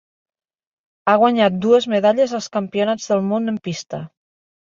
Ha guanyat dues medalles als Campionats del món en pista.